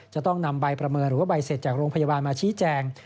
จะต้องนำใบประเมินหรือว่าใบเสร็จจากโรงพยาบาลมาชี้แจง